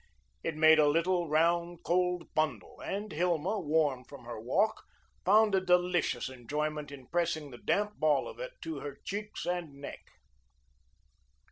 It made a little, round, cold bundle, and Hilma, warm from her walk, found a delicious enjoyment in pressing the damp ball of it to her cheeks and neck.